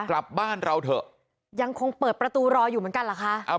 กลับบ้านเราเถอะยังคงเปิดประตูรออยู่เหมือนกันเหรอคะ